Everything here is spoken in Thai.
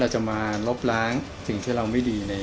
จะมาลบล้างสิ่งที่เราไม่ดี